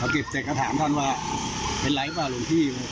เก็บเจ็บก็ถามท่านว่าเป็นไรป่ะลุงพี่